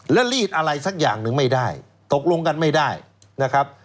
และรีดอะไรสักอย่างหนึ่งไม่ได้ตกลงกันไม่ได้นะครับ